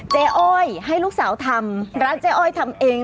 อ้อยให้ลูกสาวทำร้านเจ๊อ้อยทำเอง